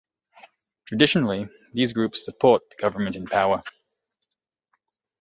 Traditionally, these groups support the government in power.